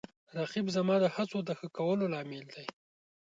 رقیب زما د هڅو د ښه کولو لامل دی